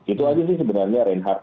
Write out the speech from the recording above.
itu aja sih sebenarnya reinhardt